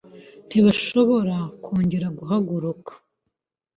Ntibashobora kongera guhaguruka